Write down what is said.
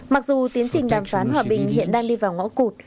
mặc dù tiến trình đàm phán hòa bình hiện đang đi vào ngõ cụt